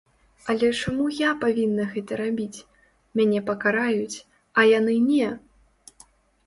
Але чаму я павінна гэта рабіць, мяне пакараюць, а яны не?